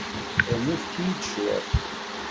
Rnu efk-iyi-d cwiṭ.